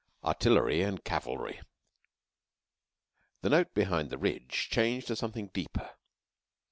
ARTILLERY AND CAVALRY The note behind the ridge changed to something deeper.